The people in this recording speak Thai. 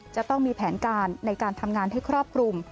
จะต้องมีแผนการในการทำงานให้ครอบคลุม